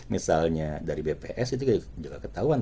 misalnya dari bps itu juga ketahuan